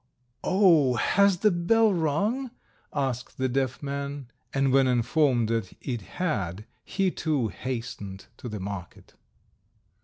"Oh, has the bell rung?" asked the deaf man. And when informed that it had, he, too, hastened to the market.